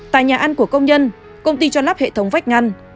tại nhà ăn của công nhân công ty cho lắp hệ thống vách ngăn